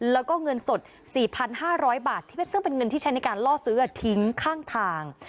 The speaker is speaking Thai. แล้วก็เงินสด๔๕๐๐บาทซึ่งเป็นเงินที่ใช้ในการล่อซื้อทิ้งข้างทาง